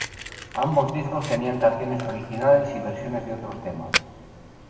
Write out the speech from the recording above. Ambos discos tenían canciones originales y versiones de otros temas.